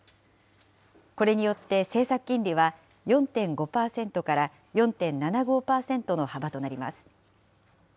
これによって、政策金利は４．５％から４．７５％の幅となります。